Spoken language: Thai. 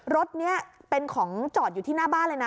รถนี้เป็นของจอดอยู่ที่หน้าบ้านเลยนะ